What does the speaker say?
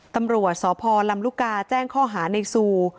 ตำรวจสพลำลูกกาแจ้งข้อหาในซู